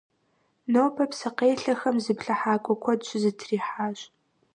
Нобэ псыкъелъэхэм зыплъыхьакӀуэ куэд щызэтрихьащ.